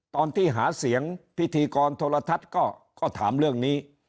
ตอนที่หาเสียงพิธีกรโทรทัศน์ก็ถามเรื่องนี้